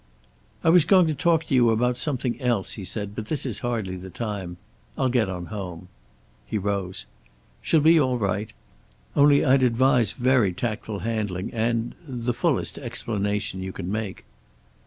"I was going to talk to you about something else," he said, "but this is hardly the time. I'll get on home." He rose. "She'll be all right. Only I'd advise very tactful handling and the fullest explanation you can make."